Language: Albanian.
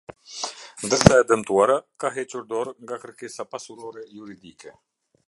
Ndërsa e dëmtuara, ka hequr dorë nga kërkesa pasurore jurdike.